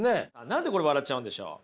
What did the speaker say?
何でこれ笑っちゃうんでしょう？